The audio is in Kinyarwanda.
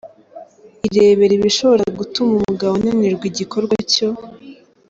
Irebere ibishobora gutuma umugabo ananirwa igikorwa cyo.